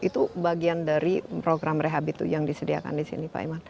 itu bagian dari program rehabitu yang disediakan di sini pak iman